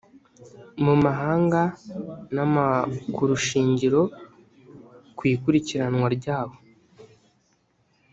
mu mahanga n’amakurushingiro ku ikurikiranwa ryabo